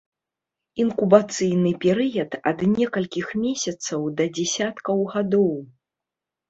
Інкубацыйны перыяд ад некалькіх месяцаў да дзесяткаў гадоў.